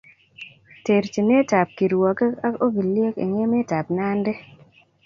Terchnitap kirwogik ak ogiliek eng emet ab Nandi